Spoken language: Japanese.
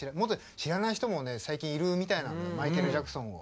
知らない人もね最近いるみたいなんだよマイケル・ジャクソンを。